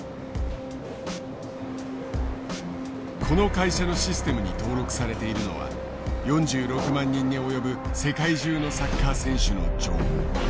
この会社のシステムに登録されているのは４６万人に及ぶ世界中のサッカー選手の情報。